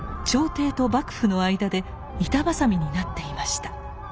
朝廷と幕府の間で板挟みになっていました。